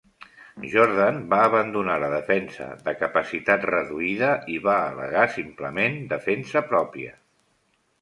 Jordan va abandonar la defensa de "capacitat reduïda", i va al·legar simplement defensa pròpia.